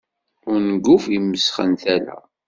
Unguf imesxen tala.